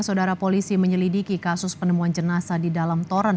saudara polisi menyelidiki kasus penemuan jenazah di dalam toren